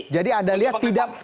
jadi anda lihat